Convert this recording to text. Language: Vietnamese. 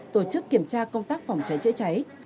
tổ chức kiểm tra công tác phòng cháy chữa cháy